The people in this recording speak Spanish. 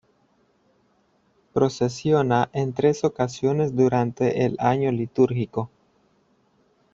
Procesiona en tres ocasiones durante el año litúrgico.